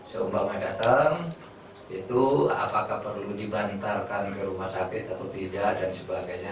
seumpama datang itu apakah perlu dibantarkan ke rumah sakit atau tidak dan sebagainya